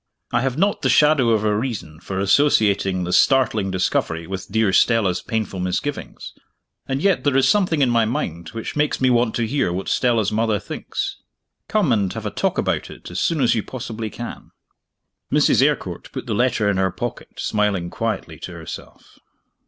I have not the shadow of a reason for associating this startling discovery with dear Stella's painful misgivings and yet there is something in my mind which makes me want to hear what Stella's mother thinks. Come and have a talk about it as soon as you possibly can." Mrs. Eyrecourt put the letter in her pocket smiling quietly to herself.